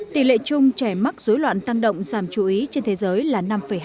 tỷ lệ chung trẻ mắc dối loạn tăng động giảm chú ý trên thế giới là năm hai